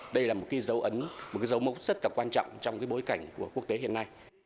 đây là một dấu mốc rất quan trọng trong bối cảnh của quốc tế hiện nay